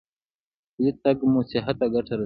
پلی تګ مو صحت ته ګټه رسوي.